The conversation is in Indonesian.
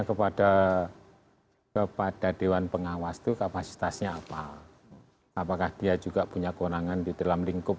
kepada kepada dewan pengawas itu kapasitasnya apa apakah dia juga punya kewenangan di dalam lingkup